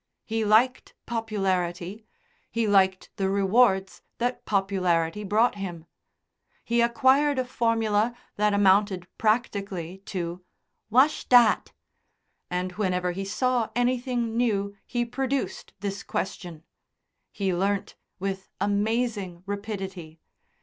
He liked popularity; he liked the rewards that popularity brought him. He acquired a formula that amounted practically to "Wash dat?" And whenever he saw anything new he produced his question. He learnt with amazing rapidity.